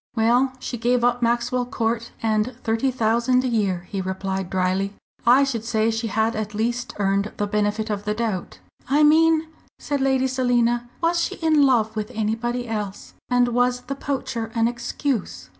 "Well, she gave up Maxwell Court and thirty thousand a year," he replied drily. "I should say she had at least earned the benefit of the doubt." "I mean," said Lady Selina, "was she in love with anybody else, and was the poacher an excuse?"